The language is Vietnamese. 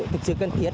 thực sự cần thiết